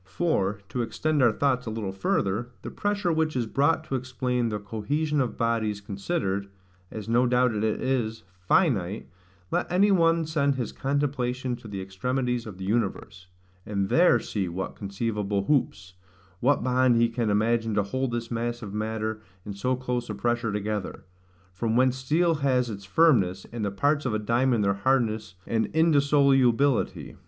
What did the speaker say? For, to extend our thoughts a little further, the pressure which is brought to explain the cohesion of bodies [*dropped line] considered, as no doubt it is, finite, let any one send his contemplation to the extremities of the universe, and there see what conceivable hoops, what bond he can imagine to hold this mass of matter in so close a pressure together; from whence steel has its firmness, and the parts of a diamond their hardness and indissolubility.